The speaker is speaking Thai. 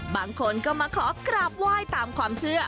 บางคนก็มาขอกราบไหว้ตามความเชื่อ